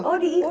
oh di itu